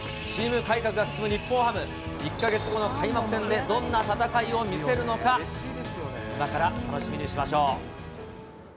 チーム改革が進む日本ハム、１か月後の開幕戦で、どんな戦いを見せるのか、今から楽しみにしましょう。